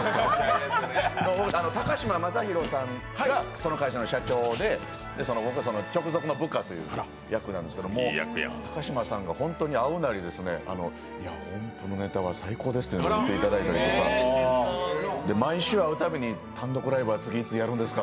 高嶋政宏さんがその会社の社長で僕が直属の部下という役なんですけども、高嶋さんが会うなり、いや、音符のネタは最高ですと言っていただいて、毎週、会うたびに単独ライブはいつやるんですか？